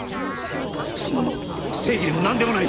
そんなもの正義でもなんでもない！